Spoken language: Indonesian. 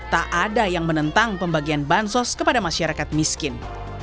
tak ada yang menentang pembagian bansos kepada masyarakat miskin